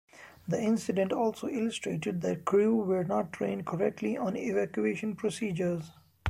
The incident also illustrated that crew were not trained correctly on evacuation procedures.